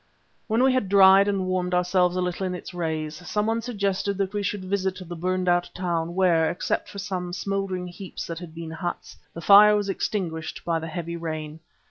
When we had dried and warmed ourselves a little in its rays, someone suggested that we should visit the burned out town where, except for some smouldering heaps that had been huts, the fire was extinguished by the heavy rain.